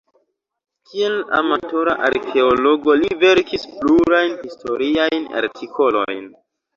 Kiel amatora arkeologo li verkis plurajn historiajn artikolojn.